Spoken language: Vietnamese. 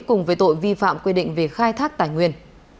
cùng với tội vi phạm quy định về khai thác tài nguyên